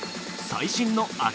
最新の秋